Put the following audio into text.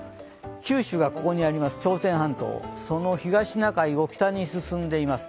九州がここにあります、朝鮮半島、その東シナ海を北に進んでいます。